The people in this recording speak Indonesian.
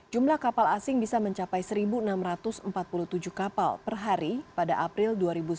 jumlah kapal asing bisa mencapai satu enam ratus empat puluh tujuh kapal per hari pada april dua ribu sembilan belas